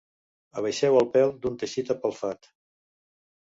Abaixeu el pèl d'un teixit apelfat.